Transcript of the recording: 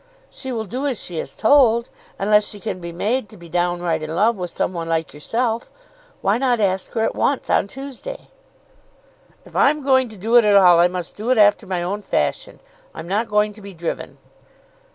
"She will do as she is told, unless she can be made to be downright in love with some one like yourself. Why not ask her at once on Tuesday?" "If I'm to do it at all I must do it after my own fashion. I'm not going to be driven."